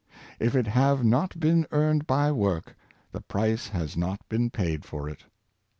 If it have not been earned by work, the price has not been paid for it.